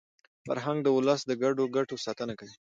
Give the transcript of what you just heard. فرهنګ د ولس د ګډو ګټو ساتنه کوي.